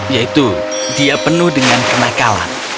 yaitu dia penuh dengan kenakalan